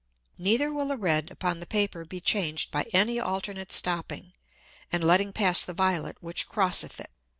Neither will the red upon the Paper be changed by any alternate stopping, and letting pass the violet which crosseth it.